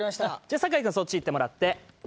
じゃあ酒井君そっち行ってもらって。